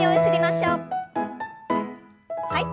はい。